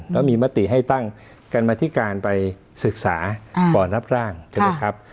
แล้วมีมติให้ตั้งกรรมธิการไปศึกษาก่อนรับร่างใช่ไหมครับ